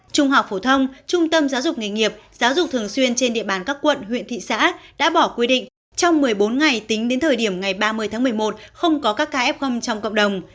trung học phổ thông trung tâm giáo dục nghề nghiệp giáo dục thường xuyên trên địa bàn các quận huyện thị xã đã bỏ quy định trong một mươi bốn ngày tính đến thời điểm ngày ba mươi tháng một mươi một không có các ca f trong cộng đồng